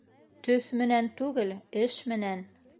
Төҫ менән түгел, эш менән.